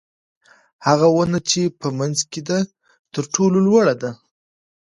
هغه ونه چې په منځ کې ده تر ټولو لوړه ده.